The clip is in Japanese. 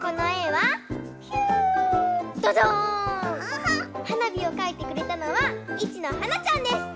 はなびをかいてくれたのはいちのはなちゃんです。